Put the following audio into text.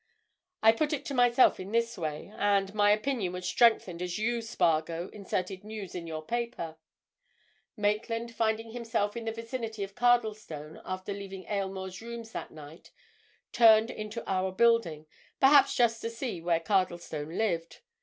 I put it to myself in this way, and my opinion was strengthened as you, Spargo, inserted news in your paper—Maitland, finding himself in the vicinity of Cardlestone after leaving Aylmore's rooms that night, turned into our building, perhaps just to see where Cardlestone lived.